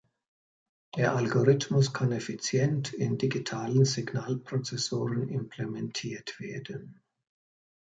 Der Algorithmus kann effizient in digitalen Signalprozessoren implementiert werden.